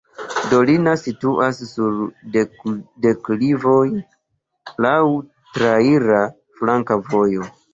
Dolina situas sur deklivoj, laŭ traira flanka vojo.